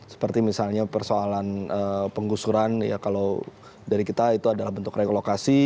seperti misalnya persoalan penggusuran ya kalau dari kita itu adalah bentuk relokasi